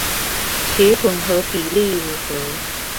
其混合比例如何？